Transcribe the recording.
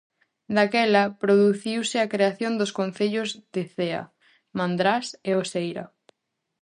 Daquela produciuse a creación dos concellos de Cea, Mandrás e Oseira.